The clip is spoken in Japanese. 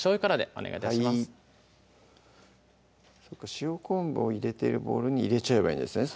はいそっか塩昆布を入れてるボウルに入れちゃえばいいんですね